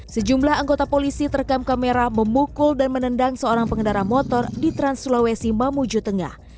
sejumlah anggota polisi terekam kamera memukul dan menendang seorang pengendara motor di trans sulawesi mamuju tengah